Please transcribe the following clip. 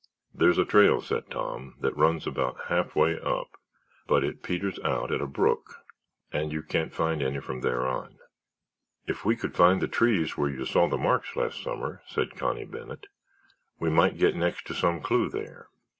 "There's a trail," said Tom, "that runs about halfway up but it peters out at a brook and you can't find any from there on." "If we could find the trees where you saw the marks last summer," said Connie Bennet, "we might get next to some clue there."